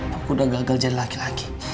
aku udah gagal jadi laki laki